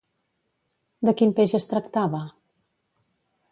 De quin peix es tractava?